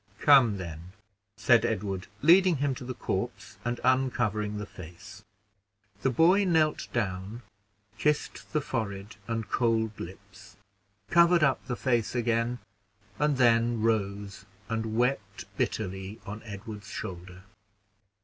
"Come, then," said Edward, leading him to the corpse, and uncovering the face. The boy knelt down, kissed the forehead and cold lips, covered up the face again, and then rose and wept bitterly on Edward's shoulder.